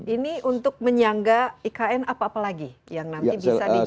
ini untuk menyangga ikn apa apa lagi yang nanti bisa dijaga